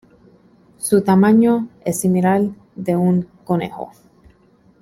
Su tamaño es similar al de un conejo.